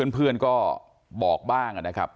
เพื่อนก็บอกบ้างนะครับ